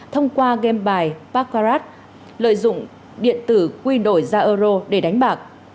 thông qua game bài pacrat lợi dụng điện tử quy đổi ra euro để đánh bạc